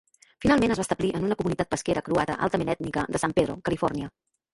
Finalment es va establir en una comunitat pesquera croata altament ètnica de San Pedro, Califòrnia.